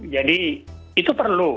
jadi itu perlu